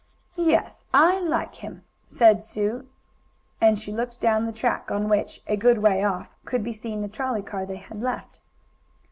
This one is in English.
"Yes, I like him," and Sue looked down the track on which, a good way off, could be seen the trolley car they had left.